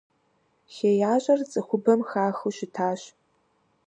ХеящӀэр цӀыхубэм хахыу щытащ.